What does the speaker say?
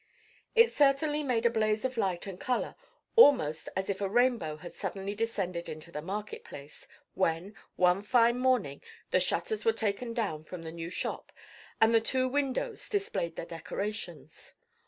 It certainly made a blaze of light and colour, almost as if a rainbow had suddenly descended into the market place, when, one fine morning, the shutters were taken down from the new shop, and the two windows displayed their decorations.